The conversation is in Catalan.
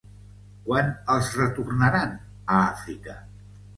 Quan els retornaran a Àfrica?